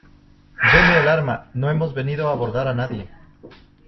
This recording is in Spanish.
deme el arma. no hemos venido a abordar a nadie .